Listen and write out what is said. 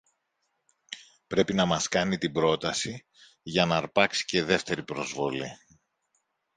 Πρέπει να μας κάνει την πρόταση, για ν' αρπάξει και δεύτερη προσβολή!